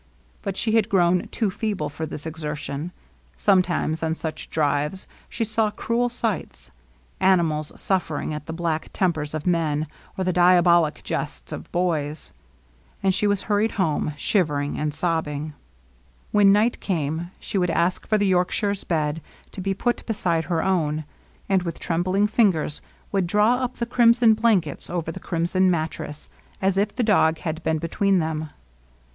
But she had grown too feeble for this exertion. Sometimes, on such drives, she saw cruel sights, — animals suffering at the black tern "TILL LOVELINESS COMES HOME" LOVELINESS. 21 pers of men or the diabolic jests of boys ; and she was hurried home^ shivering and sobbing. When night came she would ask for the Yorkshire's bed to be put beside her own, and with trembling fin gers would draw up the crimson blankets over the crimson mattress^ as if the . dog had been between them.